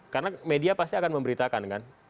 karena media pasti akan memberitakan kan